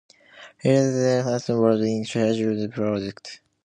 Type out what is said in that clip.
Edgar Kaiser, Henry's son, was in charge of the project.